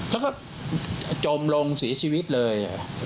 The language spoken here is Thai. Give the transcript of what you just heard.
แล้วก็จมลงเสียชีวิตเลย